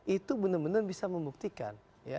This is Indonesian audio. itu benar benar bisa membuktikan